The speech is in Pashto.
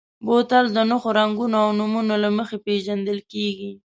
بوتل د نښو، رنګونو او نومونو له مخې پېژندل کېږي.